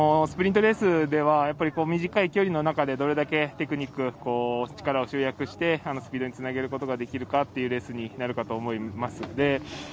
スプリントレースでは短い距離の中で、どれだけテクニック、力を集約してスピードにつなげることができるかというレースになるかと思います。